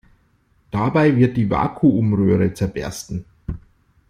Dabei wird die Vakuumröhre zerbersten.